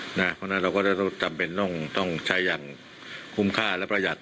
เพราะฉะนั้นเราก็จะต้องจำเป็นต้องใช้อย่างคุ้มค่าและประหยัด